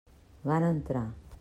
Van entrar.